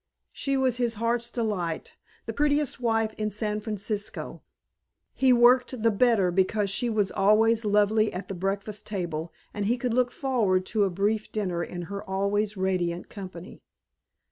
She was his heart's delight, the prettiest wife in San Francisco; he worked the better because she was always lovely at the breakfast table and he could look forward to a brief dinner in her always radiant company.